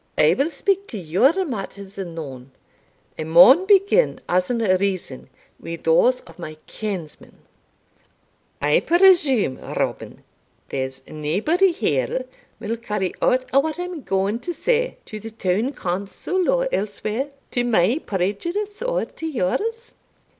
"I will speak to your matters anon; I maun begin, as in reason, wi' those of my kinsman. I presume, Robin, there's naebody here will carry aught o' what I am gaun to say, to the town council or elsewhere, to my prejudice or to yours?"